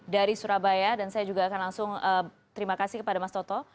dari surabaya dan saya juga akan langsung terima kasih kepada mas toto